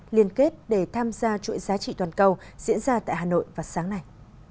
liên kết để tham gia chuỗi giá trị toàn cầu diễn ra tại hà nội vào sáng nay